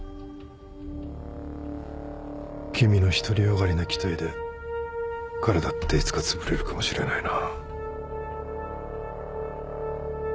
君の独り善がりな期待で彼だっていつかつぶれるかもしれないな。